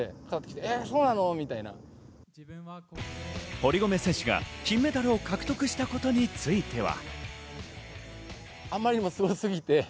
堀米選手が金メダルを獲得したことについては。